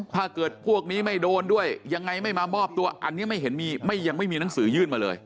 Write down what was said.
ถ้าเกิดพวกนี้ไม่โดนด้วยยังไงไม่มามอบตัวอันนี้ไม่เห็นมีไม่ยังไม่มีหนังสือยื่นมาเลย